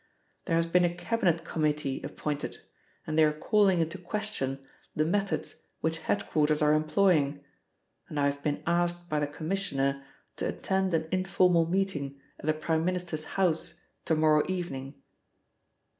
There has been a Cabinet committee appointed, and they are calling into question the methods which head quarters are employing and I have been asked by the Commissioner to attend an informal meeting at the Prime Minister's house to morrow evening."